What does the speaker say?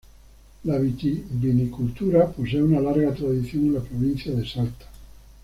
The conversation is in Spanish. La vitivinicultura posee una larga tradición en la provincia de Salta.